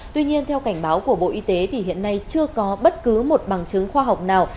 tuy nhiên theo cảnh báo của bộ y tế thì hiện nay chưa có bất cứ một bằng chứng khoa học nào